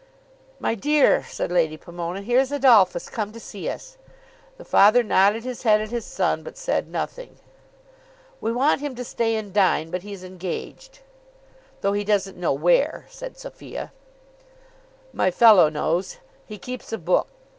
"My dear," said Lady Pomona, "here's Adolphus come to see us." The father nodded his head at his son but said nothing. "We want him to stay and dine, but he's engaged." "Though he doesn't know where," said Sophia. "My fellow knows; he keeps a book.